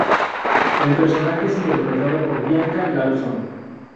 El personaje es interpretado por Bianca Lawson.